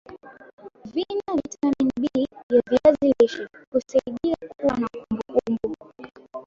Vina vitamini B ya viazi lishe husaidia kuwa na kumbukumbu